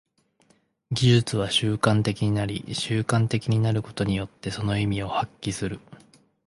技術は習慣的になり、習慣的になることによってその意味を発揮する。